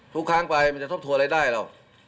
ทุกครั้งไปมันจะทบทวนอะไรได้หรอก